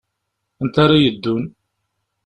Anta ara yeddun?